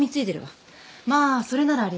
まあそれならあり得るか。